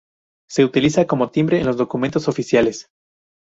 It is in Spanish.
Se utiliza como timbre en los documentos oficiales.